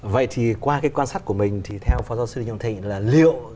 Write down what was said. vậy thì qua cái quan sát của mình thì theo phó giáo sư lý nhân thịnh là liệu